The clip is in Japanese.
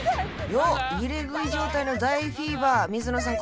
よっ入れ食い状態の大フィーバー水野さん